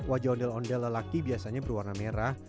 wajah ondel ondel lelaki biasanya berwarna merah